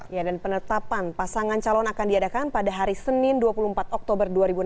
ya dan penetapan pasangan calon akan diadakan pada hari senin dua puluh empat oktober dua ribu enam belas